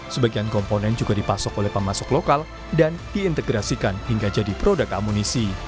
sebagian komponen juga dipasok oleh pemasok lokal dan diintegrasikan hingga jadi produk amunisi